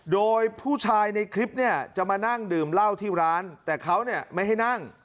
โดยผู้ชายในคลิปเนี่ยจะมานั่งดื่มเหล้าที่ร้านแต่เขาเนี่ยไม่ให้นั่ง